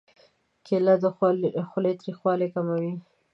کېله د خولې تریخوالی کموي.